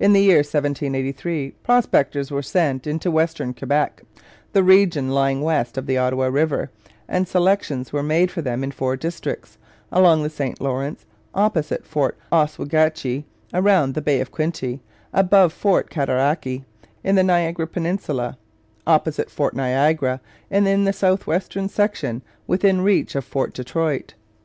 In the year 1783 prospectors were sent into Western Quebec, the region lying west of the Ottawa River, and selections were made for them in four districts along the St Lawrence, opposite Fort Oswegatchie; around the Bay of Quinte, above Fort Cataraqui; in the Niagara peninsula, opposite Fort Niagara; and in the south western section, within reach of Fort Detroit.